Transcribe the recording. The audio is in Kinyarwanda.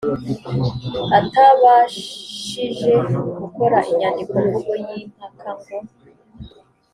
atabashije gukora inyandiko mvugo y impaka ngo